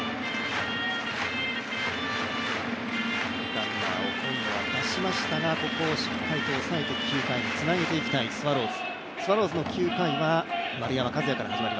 ランナーを出しましたがここをしっかりと抑えて９回につなげていきたいスワローズ。